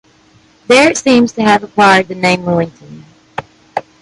There, it seems to have acquired the name "Willington".